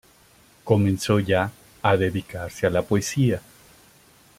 Comenzó ya a dedicarse a la poesía.